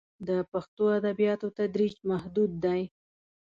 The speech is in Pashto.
د پښتو ادبیاتو تدریس محدود دی.